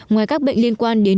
ngoài các bệnh liên quan đến